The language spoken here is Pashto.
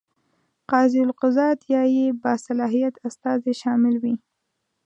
قاضي القضات یا یې باصلاحیت استازی شامل وي.